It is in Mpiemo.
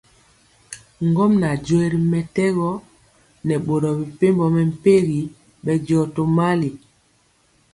Ŋgomnaŋ joee ri mɛtɛgɔ nɛ boro mepempɔ mɛmpegi bɛndiɔ tomali.